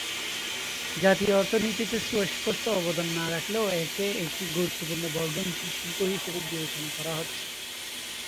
জাতীয় অর্থনীতিতে সুস্পষ্ট অবদান না রাখলেও, একে একটি গুরুত্বপূর্ণ বর্ধনশীল শিল্প হিসেবে বিবেচনা করা হচ্ছে।